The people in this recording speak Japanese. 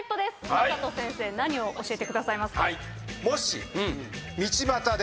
魔裟斗先生何を教えてくださいますか？